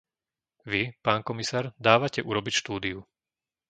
Vy, pán komisár, dávate urobiť štúdiu.